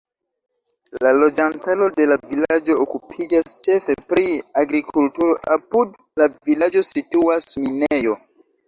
La loĝantaro de la vilaĝo okupiĝas ĉefe pri agrikulturo; apud la vilaĝo situas minejo.